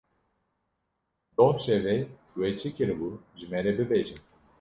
Doh şevê we çi kiribû ji me re bibêje.